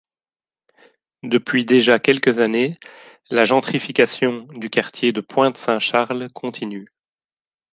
Depuis déjà quelques années, la gentrification du quartier de Pointe-Saint-Charles continue.